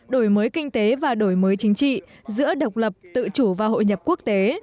đổi mới kinh tế và đổi mới chính trị giữa độc lập tự chủ và hội nhập quốc tế